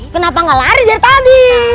kenapa gak lari dari pagi